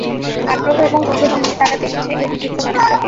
আগ্রহ এবং কৌতূহল নিয়ে তারা দেখছে এই বিচিত্র মানুষটাকে।